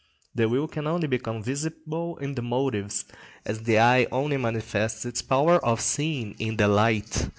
The will can only become visible in the motives, as the eye only manifests its power of seeing in the light.